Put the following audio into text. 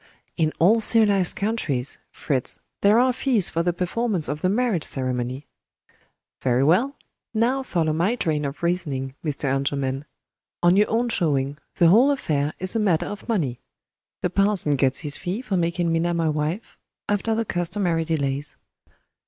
"In all civilized countries, Fritz, there are fees for the performance of the marriage ceremony." "Very well. Now follow my train of reasoning, Mr. Engelman! On your own showing, the whole affair is a matter of money. The parson gets his fee for making Minna my wife, after the customary delays."